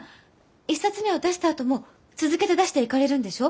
１冊目を出したあとも続けて出していかれるんでしょう？